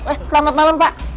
eh selamat malem pak